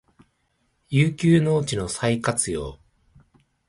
遊休農地の再活用